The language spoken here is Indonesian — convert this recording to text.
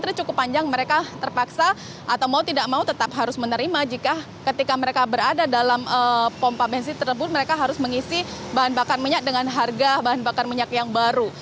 karena cukup panjang mereka terpaksa atau mau tidak mau tetap harus menerima jika mereka berada dalam pompa bensin tersebut mereka harus mengisi bahan bakar minyak dengan harga bahan bakar minyak yang baru